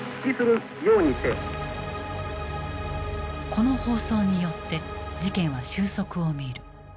この放送によって事件は収束を見る。